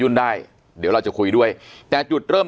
อันดับสุดท้าย